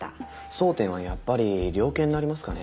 争点はやっぱり量刑になりますかね。